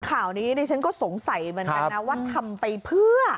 ข่าวนี้ดิฉันก็สงสัยเหมือนกันนะว่าทำไปเพื่อ